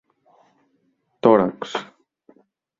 Tòrax: